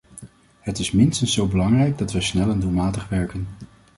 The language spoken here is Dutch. Het is minstens zo belangrijk dat wij snel en doelmatig werken.